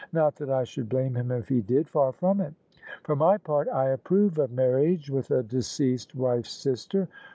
Not that I should blame him if he did: far from it! For my part I approve of marriage with a deceased wife's sister.